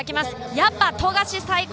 やっぱ富樫最高！